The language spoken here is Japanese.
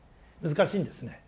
難しいんですね。